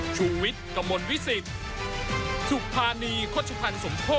ชูวิทธ์ตีแสงหน้า